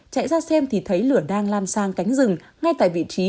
chạy ra xem thì thấy lửa đang lan sang cánh rừng ngay tại vị trí